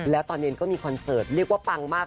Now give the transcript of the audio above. แล้วตอนเย็นก็มีคอนเสิร์ตเรียกว่าปังมาก